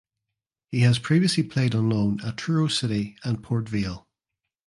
He has previously played on loan at Truro City and Port Vale.